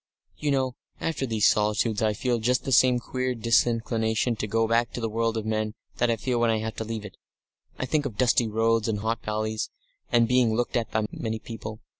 "You know, after these solitudes, I feel just the same queer disinclination to go back to the world of men that I feel when I have to leave it. I think of dusty roads and hot valleys, and being looked at by many people.